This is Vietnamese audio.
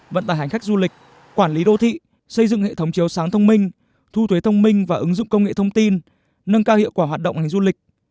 vận tải hành khách du lịch quản lý đô thị xây dựng hệ thống chiếu sáng thông minh thu thuế thông minh và ứng dụng công nghệ thông tin nâng cao hiệu quả hoạt động ngành du lịch